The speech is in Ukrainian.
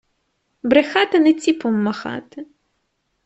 Брехати — не ціпом махати.